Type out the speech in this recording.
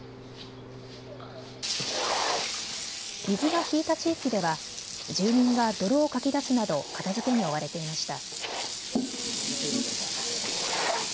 水が引いた地域では住民が泥をかき出すなど片づけに追われていました。